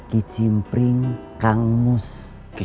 kicim pring kamu mau dikasih merek apa